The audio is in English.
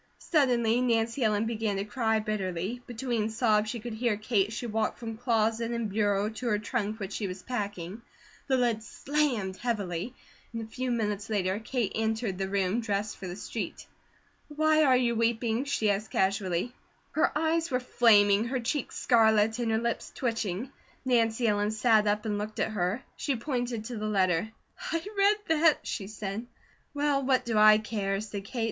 Suddenly Nancy Ellen began to cry bitterly; between sobs she could hear Kate as she walked from closet and bureau to her trunk which she was packing. The lid slammed heavily and a few minutes later Kate entered the room dressed for the street. "Why are you weeping?" she asked casually. Her eyes were flaming, her cheeks scarlet, and her lips twitching. Nancy Ellen sat up and looked at her. She pointed to the letter: "I read that," she said. "Well, what do I care?" said Kate.